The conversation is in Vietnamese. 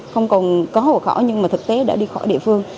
không còn có hộ khảo nhưng mà thực tế đã đi khỏi địa phương